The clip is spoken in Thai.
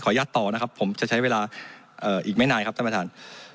ขออนุญาตต่อนะครับผมจะใช้เวลาเอ่ออีกไม่นานครับท่านประธาน